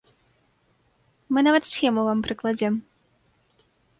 Мы нават схему вам прыкладзем.